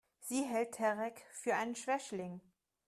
Sie hält Tarek für einen Schwächling.